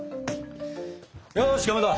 よしかまど！